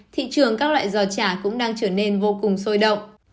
thị trường các loại giò trả cũng đang trở nên vô cùng sôi động